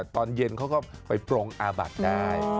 ตอนเย็นเขาก็ไปปรงอาบัติได้